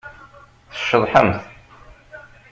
Tceḍḥemt.